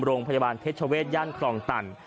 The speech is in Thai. ประโยบาลเทชเฉพเวชย่านครองตัน